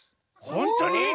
ほんとに？